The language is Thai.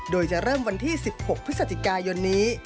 โดยจะเริ่มวันที่๑๖พฤศจิกายนนี้